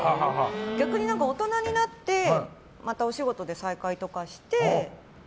逆に大人になってまたお仕事で再会とかして。